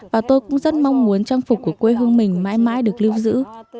và tôi cũng rất mong muốn trang phục của quê hương mình mãi mãi được lưu giữ